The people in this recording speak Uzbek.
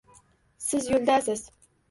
Siz yo‘ldasiz.